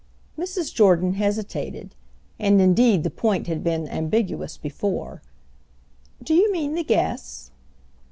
Mrs. Jordan hesitated, and indeed the point had been ambiguous before. "Do you mean the guests?"